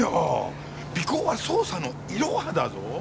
尾行は捜査のイロハだぞ！